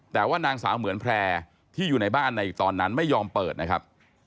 แต่ว่านางสาวเหมือนแพร่ที่อยู่ในบ้านในตอนนั้นไม่ยอมเปิดนะครับ